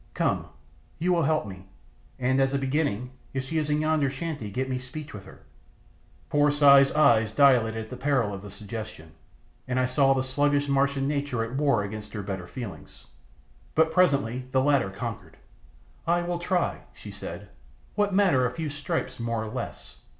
Come, you will help me; and, as a beginning, if she is in yonder shanty get me speech with her." Poor Si's eyes dilated at the peril of the suggestion, and I saw the sluggish Martian nature at war against her better feelings. But presently the latter conquered. "I will try," she said. "What matter a few stripes more or less?"